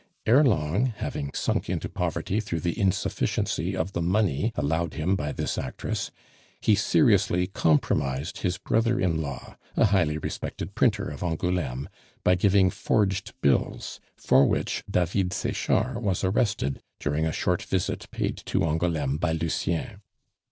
"Ere long, having sunk into poverty through the insufficiency of the money allowed him by this actress, he seriously compromised his brother in law, a highly respected printer of Angouleme, by giving forged bills, for which David Sechard was arrested, during a short visit paid to Angouleme by Lucien.